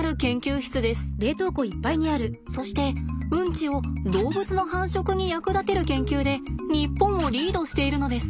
そしてウンチを動物の繁殖に役立てる研究で日本をリードしているのです。